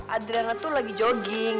adriana tuh lagi jogging